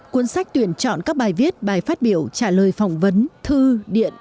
cuốn sách tuyển chọn các bài viết bài phát biểu trả lời phỏng vấn thư điện